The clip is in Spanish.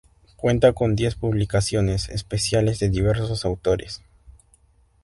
Cuenta con diez Publicaciones Especiales de diversos autores.